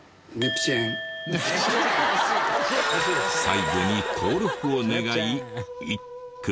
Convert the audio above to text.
最後に登録を願い一句。